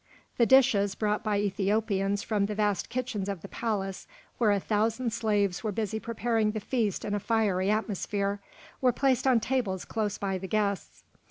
The dishes, brought by Ethiopians from the vast kitchens of the palace, where a thousand slaves were busy preparing the feast in a fiery atmosphere, were placed on tables close by the guests.